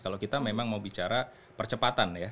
kalau kita memang mau bicara percepatan ya